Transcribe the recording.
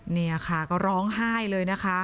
นี่ค่ะก็ร้องไห้เลยนะคะ